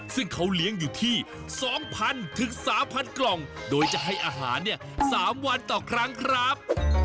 ซึ่งเขาเลี้ยงอยู่ที่๒๐๐๐ถึง๓๐๐กล่องโดยจะให้อาหารเนี่ย๓วันต่อครั้งครับ